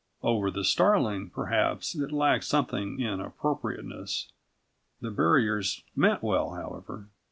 Over the starling, perhaps, it lacked something in appropriateness. The buriers meant well however.